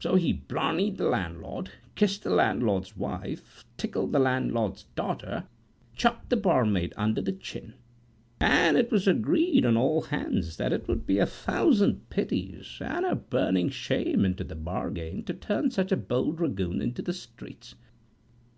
So he blarney'd the landlord, kissed the landlord's wife, tickled the landlord's daughter, chucked the bar maid under the chin; and it was agreed on all hands that it would be a thousand pities, and a burning shame into the bargain, to turn such a bold dragoon into the streets.